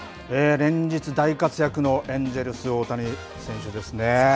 連日大活躍のエンジェルス、大谷選手ですね。